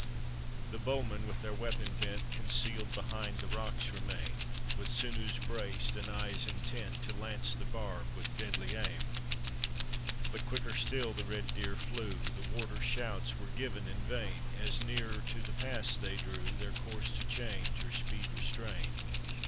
The bowmen with their weapon bent Concealed behind the rocks remain. With sinews braced and eyes intent, To lance the barb with deadly aim. But quicker still the red d«;er flew. The warders' shouts were given in vain, As nearer to the pass they drew Their course to change or speed restrain.